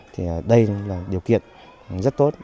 thì đây là điều kiện rất tốt